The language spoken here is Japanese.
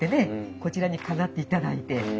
こちらに飾っていただいて。